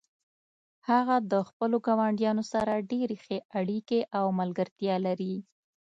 هغه د خپلو ګاونډیانو سره ډیرې ښې اړیکې او ملګرتیا لري